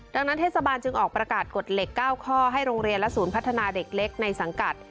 ดังนั้นเทศบาลจึงออกประกาศกฎเหล็ก๙ข้อให้โรงเรียนและศูนย์พัฒนาเด็กเล็กในสังกัด